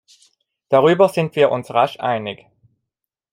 Darüber sind wir uns rasch einig.